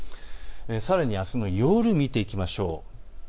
さらにあすの夜を見ていきましょう。